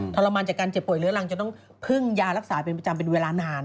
ทรมานจากการเจ็บป่วยเรื้อรังจนต้องพึ่งยารักษาเป็นประจำเป็นเวลานาน